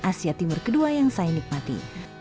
asia timur kedua yang saya nikmati